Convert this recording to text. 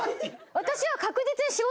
私は。